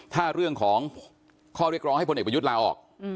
ถ้าเรื่องของข้อเรียกร้องให้พลเอกประยุทธ์ลาออก